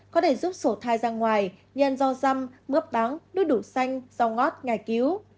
có thể giúp sổ thai ra ngoài nhân do răm mướp đắng đu đủ xanh rau ngót ngài cứu